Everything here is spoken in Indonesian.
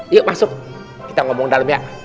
yuk masuk kita ngomong dalam ya